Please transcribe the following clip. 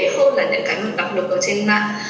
hơn là những cái mà đọc được ở trên mạng